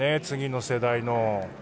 次の世代の。